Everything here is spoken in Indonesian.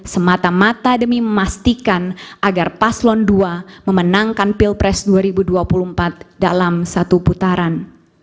semata mata demi memastikan agar paslon dua memenangkan pilpres dua ribu dua puluh empat dalam satu putaran